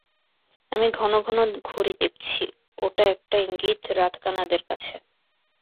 আমি ঘন ঘন ঘড়ি দেখছি, ওটা একটা ইঙ্গিত রাতকানাদের কাছে।